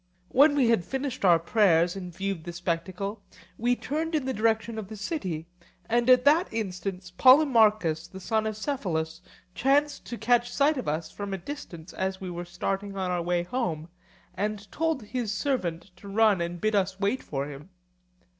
When we had finished our prayers and viewed the spectacle, we turned in the direction of the city; and at that instant Polemarchus the son of Cephalus chanced to catch sight of us from a distance as we were starting on our way home, and told his servant to run and bid us wait for him.